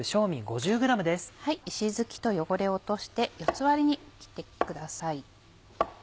石づきと汚れを落として４つ割りに切ってください。